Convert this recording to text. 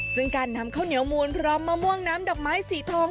ซึ่งการนำข้าวเหนียวมูลพร้อมมะม่วงน้ำดอกไม้สีทอง